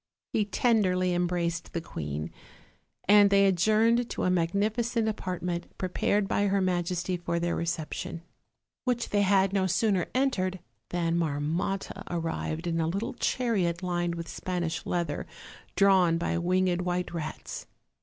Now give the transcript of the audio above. He tenderly embraced the queen, and they adjourned to a magnificent apartment prepared by her majesty for their reception, which they had no sooner entered than Marmotta arrived in a little chariot lined with Spanish leather, drawn by winged white rats.